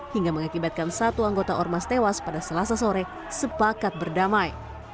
hingga mengakibatkan satu anggota ormas tewas pada selasa sore sepakat berdamai